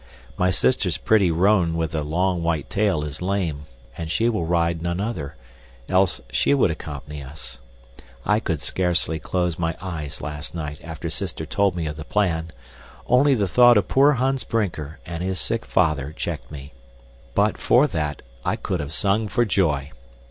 My sister's pretty roan with the long white tail is lame, and she will ride none other; else she would accompany us. I could scarcely close my eyes last night after Sister told me of the plan. Only the thought of poor Hans Brinker and his sick father checked me, but for that I could have sung for joy.